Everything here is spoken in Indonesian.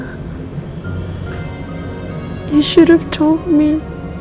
kamu harusnya bilang sama mama